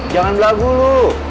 jangan berlagu lu